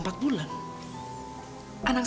anak saya kenapa ya dok